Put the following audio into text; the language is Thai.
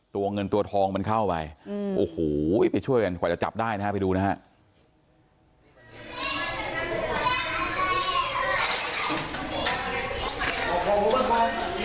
ตัวเงินตัวทองมันเข้าไปโอ้โหไปช่วยกันกว่าจะจับได้นะฮะไปดูนะฮะ